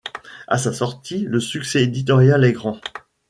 À sa sortie, le succès éditorial est grand.